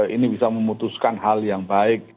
ini bisa memutuskan hal yang baik